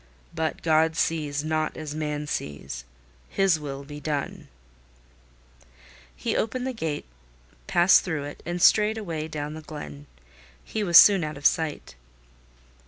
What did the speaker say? But God sees not as man sees: His will be done—" He opened the gate, passed through it, and strayed away down the glen. He was soon out of sight.